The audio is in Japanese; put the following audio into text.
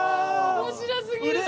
面白すぎる。